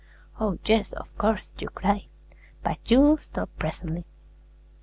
Oh, yes, of course, you cry; but you'll stop presently.